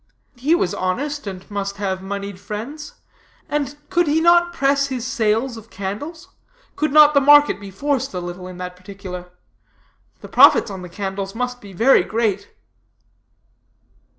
He was honest, and must have moneyed friends; and could he not press his sales of candles? Could not the market be forced a little in that particular? The profits on candles must be very great.